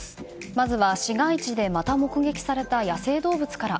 まずは市街地でまた目撃された野生動物から。